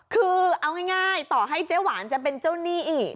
คือเอาง่ายต่อให้เจ๊หวานจะเป็นเจ้าหนี้อีก